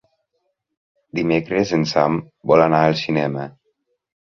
Dimecres en Sam vol anar al cinema.